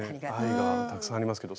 愛がたくさんありますけど。